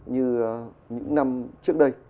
như những năm trước đây